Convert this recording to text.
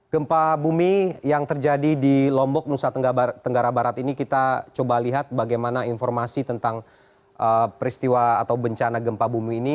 gempa bumi yang terjadi di lombok nusa tenggara barat ini kita coba lihat bagaimana informasi tentang peristiwa atau bencana gempa bumi ini